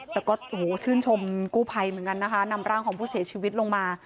แต่ก็โอ้โหชื่นชมกู้ภัยเหมือนกันนะคะนำร่างของผู้เสียชีวิตลงมา